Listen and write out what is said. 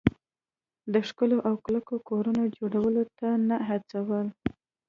د ښکلو او کلکو کورونو جوړولو ته نه هڅول.